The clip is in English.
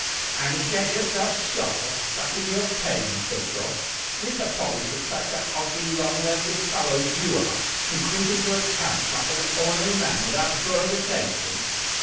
"An' get yourself shot or stuck for your pains," said Goff. "Do you suppose that such a hulking, long legged fellow as you are, can creep into a camp like an or'nary man without drawin' attention?"